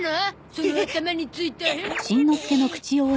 その頭についた。